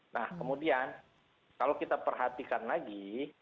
nah kemudian kalau kita perhatikan lagi